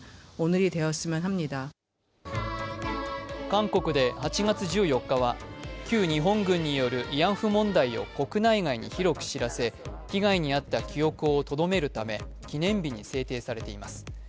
韓国で８月１４日は旧日本軍による慰安婦問題を国内外に広く知らせ、被害に遭った記憶をとどめるため記念日に制定されています。